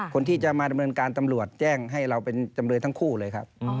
คนที่จะมาดำเนินการตำรวจแจ้งให้เราเป็นจำเลยทั้งคู่เลยครับ